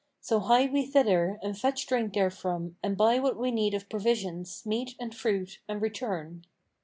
So hie we thither and fetch drink therefrom and buy what we need of provisions, meat and fruit, and return.'